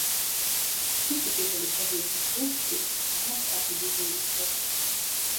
მისი პირველი პერიოდი კლუბში არასტაბილური იყო.